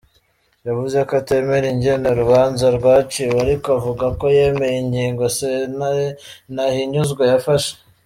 Yavuze ko atemera ingene urubanza rwaciwe, ariko avuga ko yemeye ingingo Sentare Ntahinyuzwa yafashe.